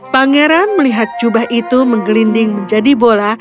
pangeran melihat jubah itu menggelinding menjadi bola